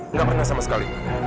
nggak pernah sama sekali